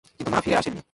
কিন্তু মা ফিরে আসেনি।